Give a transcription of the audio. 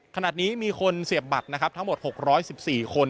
ขนาดนี้มีคนเสียบบัตรทั้งหมด๖๑๔คน